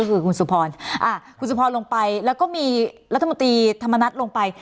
ก็คือคุณสุพรอ่าคุณสุพรลงไปแล้วก็มีรัฐมนตรีธรรมนัฐลงไป